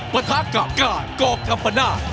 ประทะกาบกาดกอบกัมภนาด